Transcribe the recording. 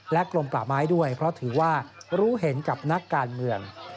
กลมป่าไม้ด้วยเพราะถือว่ารู้เห็นกับนักการเมือง